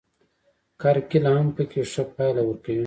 کرکېله هم پکې ښه پایله ورکوي.